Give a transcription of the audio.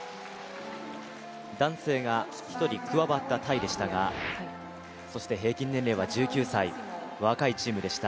男性が１人、加わったタイでしたがそして平均年齢は１９歳、若いチームでした。